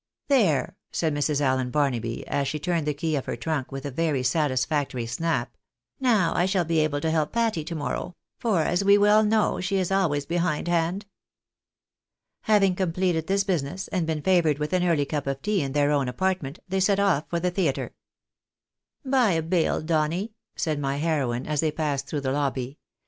" There !" said Mrs. Allen Barnaby, as she turned the key of her trunk with a very satisfactory snap, " now I shall be able to help Patty to morrow ; for, as we well know, she is always behind hand." Having completed this business, and been favoured with an early cup of tea in their own apartment, they set off for the theatre. " Buy a biU, Donny," said my heroine, as they passed through the lobby.